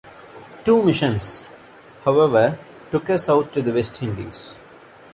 Two missions, however, took her south to the West Indies.